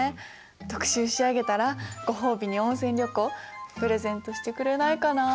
特集仕上げたらご褒美に温泉旅行プレゼントしてくれないかなあ。